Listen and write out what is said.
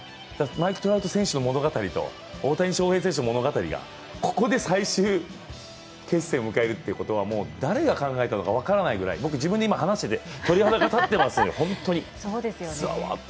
マイク・トラウト選手の物語と大谷翔平選手の物語がここで最終決戦を迎えるということは誰が考えたか分からないくらい僕、自分で今、話していて、鳥肌が立っています、ざわっと。